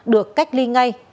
được cách ly ngay